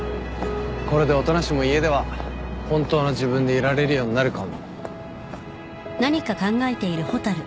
これで音無も家では「本当の自分」でいられるようになるかも。